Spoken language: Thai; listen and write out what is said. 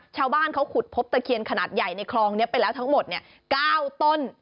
ชาวบ้านเขาขุดพบตะเคียนขนาดใหญ่ในคลองนี้ไปแล้วทั้งหมด๙ต้น